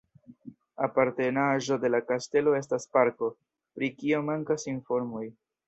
Apartenaĵo de la kastelo estas parko, pri kio mankas informoj.